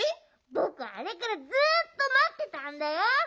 ぼくあれからずっとまってたんだよ。